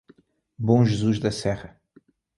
Bom Jesus da Serra